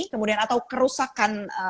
kemudian atau kerusakan